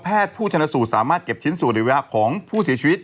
แพทย์ผู้ชนะสูตรสามารถเก็บชิ้นสูตรในเวลาของผู้เสียชีวิต